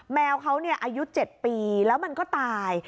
แมวเขาอายุ๗ปีแล้วมันก็ตาย